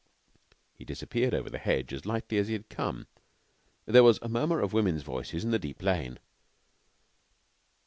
He disappeared over the hedge as lightly as he had come. There was a murmur of women's voices in the deep lane.